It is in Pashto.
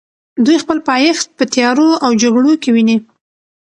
دوی خپل پایښت په تیارو او جګړو کې ویني.